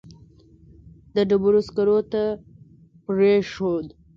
د ډبرو سکرو ته پرېښود.